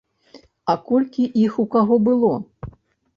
А колькі іх у каго было?